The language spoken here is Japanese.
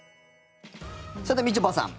さて、みちょぱさん